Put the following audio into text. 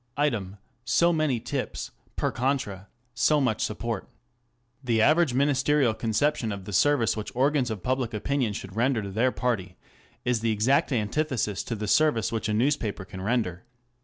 Item, so many "tips;" per contra, so much support. The average Ministerial conception of the service which organs of public opinion should render to their party is the exact antithesis to the service which a newspaper can render.